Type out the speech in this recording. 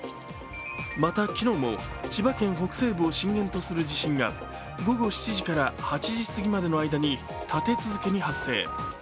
また、昨日も千葉県北西部を震源とする地震が、午後７時から８時すぎまでの間に立て続けに発生。